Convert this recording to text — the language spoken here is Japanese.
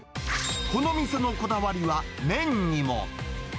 この店のこだわりは、麺にも。